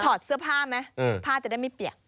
ถอดเสื้อผ้าไหมผ้าจะได้ไม่เปียก